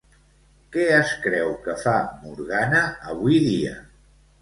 Què es creu que fa Morgana avui dia?